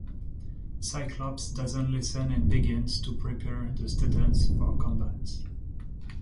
Cyclops doesn't listen and begins to prepare the students for combat.